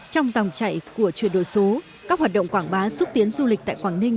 trong dòng chạy của chuyển đổi số các hoạt động quảng bá xúc tiến du lịch tại quảng ninh